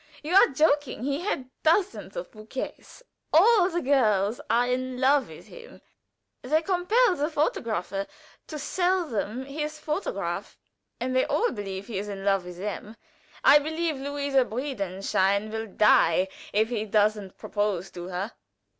You are joking. He had dozens of bouquets. All the girls are in love with him. They compelled the photographer to sell them his photograph, and they all believe he is in love with them. I believe Luise Breidenstein will die if he doesn't propose to her."